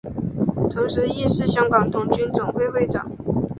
有一个哥哥和妹妹。